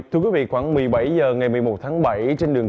thưa quý vị khoảng một mươi bảy h ngày một mươi một tháng bảy